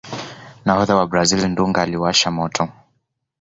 nahodha wa brazil dunga aliuwasha moto